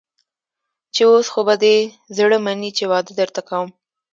چې اوس خو به دې زړه مني چې واده درته کوم.